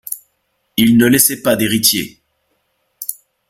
Il ne laissait pas d'héritier.